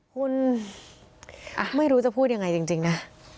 คุณไม่รู้จะพูดยังไงจริงนะ